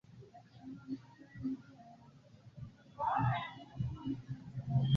Por honori lin estiĝis la fondaĵoj "Karl Ritter-Stiftungen" en Berlino kaj Lepsiko.